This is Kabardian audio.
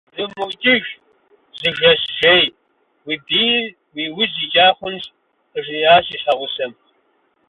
Зумыукӏыж, зы жэщ жей, уи бийр уи ужь икӏа хъунщ, - къыжриӏащ и щхьэгъусэм.